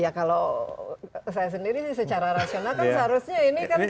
ya kalau saya sendiri sih secara rasional kan seharusnya ini kan